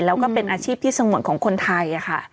แล้วก็เป็นอาชีพที่สงวนของคนไทยค่ะ